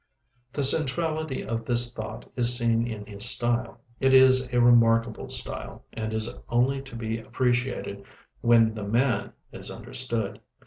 The centrality of this thought is seen in his style. It is a remarkable style, and is only to be appreciated when the man is understood.